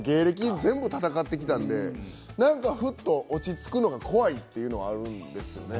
全部闘ってきたので何かふっと落ち着くのが怖いというのがあるんですよね。